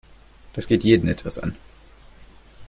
Das geht jeden etwas an.